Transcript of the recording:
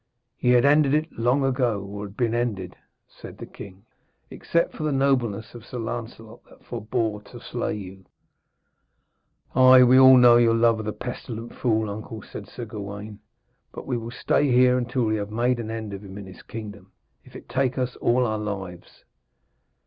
'Ye had ended it long ago, or been ended,' said the king, 'except for the nobleness of Sir Lancelot that forbore to slay you.' 'Ay, we all know your love of the pestilent fool, uncle,' said Sir Gawaine, 'but we will stay here until we have made an end of him and his kingdom, if it take us all our lives.'